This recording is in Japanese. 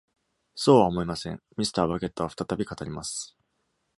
「そうは思いません。」Mr. Bucket は再び語ります。